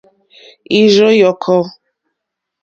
Ìrzù yɔ̀kɔ́.